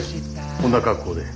こんな格好で。